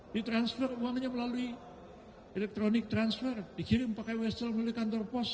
di transfer uangnya melalui elektronik transfer dikirim pakai wesel melalui kantor pos